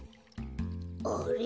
あれ？